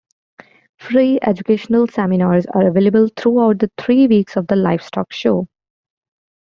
Free educational seminars are available throughout the three weeks of the livestock show.